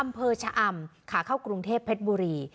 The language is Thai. อำเภอชะอำขาเข้ากรุงเทพเพชรบุรี